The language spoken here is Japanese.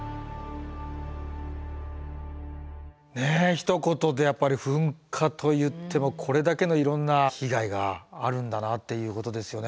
ひと言でやっぱり「噴火」と言ってもこれだけのいろんな被害があるんだなっていうことですよね。